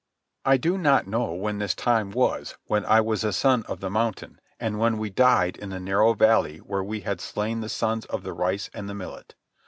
I do not know when this time was when I was a Son of the Mountain and when we died in the narrow valley where we had slain the Sons of the Rice and the Millet.